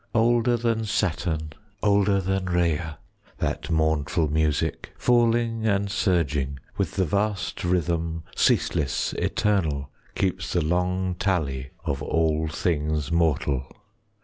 Older than Saturn, 5 Older than Rhea, That mournful music, Falling and surging With the vast rhythm Ceaseless, eternal, 10 Keeps the long tally Of all things mortal.